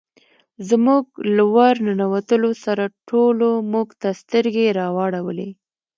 زموږ له ور ننوتلو سره ټولو موږ ته سترګې را واړولې.